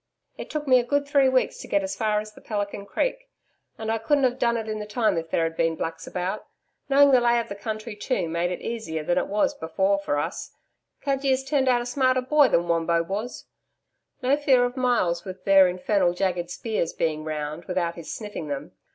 It took me a good three weeks to get as far as the Pelican Creek, and I couldn't have done it in the time if there had been Blacks about. Knowing the lay of the country too, made it easier than it was before for us. Cudgee has turned out a smarter boy than Wombo was. No fear of Myalls with their infernal jagged spears being round without his sniffing them.